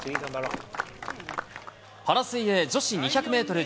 パラ水泳、女子２００メートル